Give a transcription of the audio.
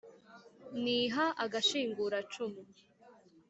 Niha agashinguracumu